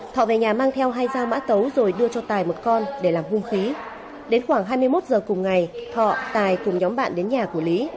thọ về nhà mang theo hai dao mã tấu rồi đưa cho tài một con để làm hung khí đến khoảng hai mươi một giờ cùng ngày thọ tài cùng nhóm bạn đến nhà của lý